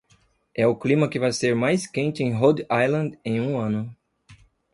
é o clima que vai ser mais quente em Rhode Island em um ano